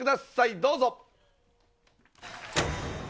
どうぞ。